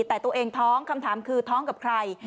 แต่ตัวเองท้องคำถามคือท้องกับใคร